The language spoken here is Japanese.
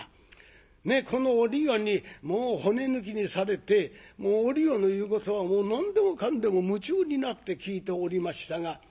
このおりよにもう骨抜きにされておりよの言うことは何でもかんでも夢中になって聞いておりましたが。